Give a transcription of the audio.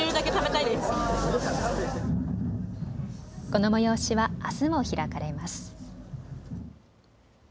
この催しはあすも開かれます。